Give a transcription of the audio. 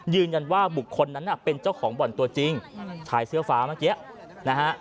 ยืนยันว่าบุคคลนั้นน่ะเป็นเจ้าของบ่อนตัวจริงชายเสื้อฟ้าเมื่อกี้นะฮะ